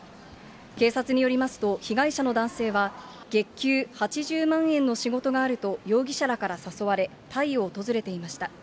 警察によりますと、被害者の男性は、月給８０万円の仕事があると容疑者らから誘われ、タイを訪れていました。